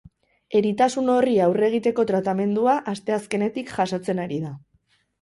Eritasun horri aurre egiteko tratamendua asteazkenetik jasotzen ari da.